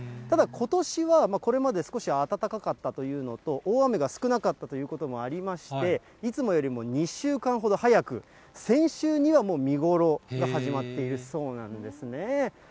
ただことしは、これまで少し暖かったというのと、大雨が少なかったということもありまして、いつもよりも２週間ほど早く、先週にはもう見頃が始まっているそうなんですね。